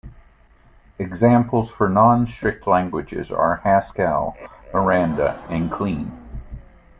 Examples for non-strict languages are Haskell, Miranda, and Clean.